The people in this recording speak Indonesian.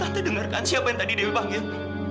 tante dengarkan siapa yang tadi dewi panggil